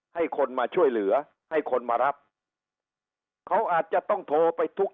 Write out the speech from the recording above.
ให้คนมาช่วยเหลือให้คนมารับเขาอาจจะต้องโทรไปทุก